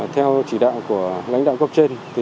theo chỉ đạo của lãnh đạo cấp trên